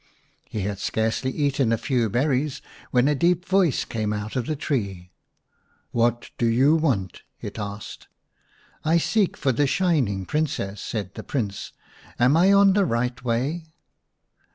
He had scarcely eaten a few berries when a deep voice came out of the tree. " What do you want ?" it asked. " I seek for the Shining Princess," said the Prince. " Am I on the right way